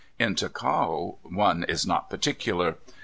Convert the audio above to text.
In Ticao, one is not particular.